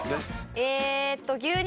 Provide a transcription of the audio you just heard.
えっと。